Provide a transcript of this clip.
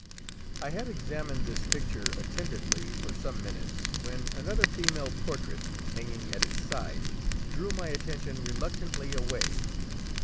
I had examined this picture attentively for some minutes when another female portrait, hanging at its side, drew my attention reluctantly away.